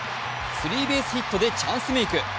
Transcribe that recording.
スリーベースヒットでチャンスメーク。